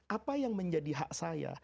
apa yang menjadi hak saya